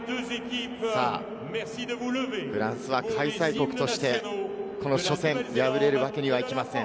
フランスは開催国として、この初戦、敗れるわけにはいきません。